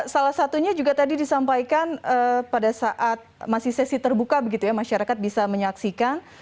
salah satunya juga tadi disampaikan pada saat masih sesi terbuka begitu ya masyarakat bisa menyaksikan